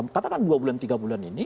katakan dua bulan tiga bulan ini